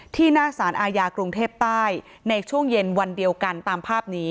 หน้าสารอาญากรุงเทพใต้ในช่วงเย็นวันเดียวกันตามภาพนี้